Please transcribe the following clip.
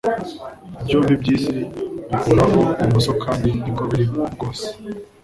byombi byisi bikuraho Ibumoso kandi niko biri rwose